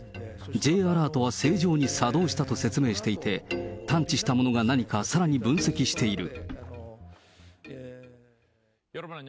Ｊアラートは正常に作動したと説明していて、探知したものが何か、さらに分析している。